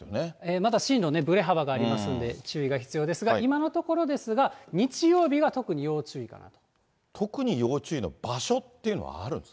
まだ進路、ぶれ幅がありますんで、注意が必要ですが、今のところですが、日曜日は特に要注意となっています。